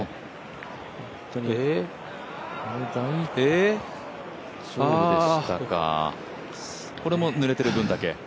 ホントにこれもぬれている分だけ？